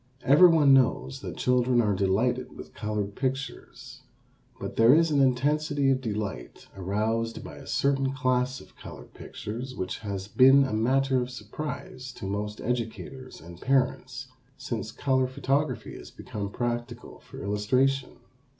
Everyone knows that children are delighted with colored pictures. But there is an intensity of delight aroused by a certain class of colored pictures which has been a matter of surprise to most educators and parents since color photography has become practical for illustration.